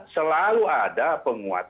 selalu ada penguatan